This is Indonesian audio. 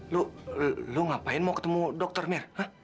lu lo ngapain mau ketemu dokter mir